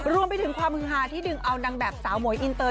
รวมไปถึงความฮือฮาที่ดึงเอานางแบบสาวหมวยอินเตอร์